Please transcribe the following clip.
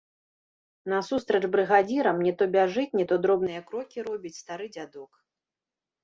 Насустрач брыгадзірам не то бяжыць, не то дробныя крокі робіць стары дзядок.